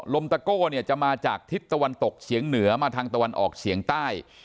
ตะโก้เนี่ยจะมาจากทิศตะวันตกเฉียงเหนือมาทางตะวันออกเฉียงใต้